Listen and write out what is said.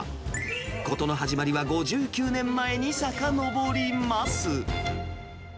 事の始まりは５９年前にさかのぼります。